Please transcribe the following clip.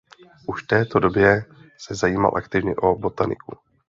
Už v této době se zajímal aktivně o botaniku.